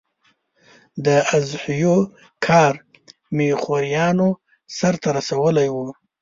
د اضحیو کار مې خوریانو سرته رسولی و.